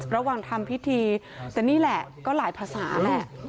ระหว่างทำพิธีแต่นี่แหละก็หลายภาษาแหละ